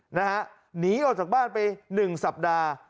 หนีออกจากบ้านไป๑สัปดาห์